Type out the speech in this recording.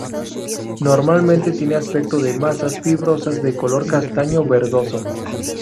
Normalmente tiene aspecto de masas fibrosas de color castaño verdoso.